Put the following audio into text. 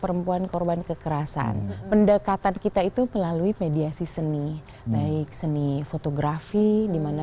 perempuan korban kekerasan pendekatan kita itu melalui mediasi seni baik seni fotografi dimana